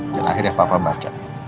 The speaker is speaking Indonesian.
dan akhirnya papa baca